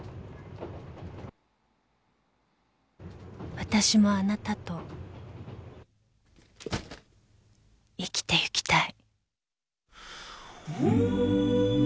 ［わたしもあなたと生きてゆきたい］